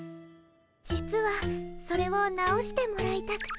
実はそれを直してもらいたくて。